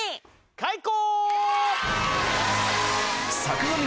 開講！